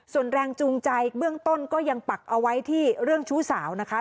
ส่วนแรงจูงใจเบื้องต้นก็ยังปักเอาไว้ที่เรื่องชู้สาวนะคะ